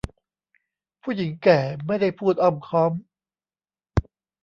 ผู้หญิงแก่ไม่ได้พูดอ้อมค้อม